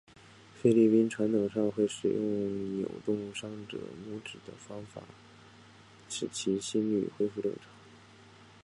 菲律宾传统上会使用扭动患者拇趾的方法使其心律恢复正常。